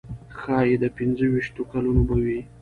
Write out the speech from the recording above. ښایي د پنځه ویشتو کلونو به وي.